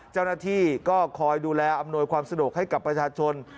เจ้าหน้าที่ก็คอยดูแลอำนวยความสะดวกให้กับประชาชน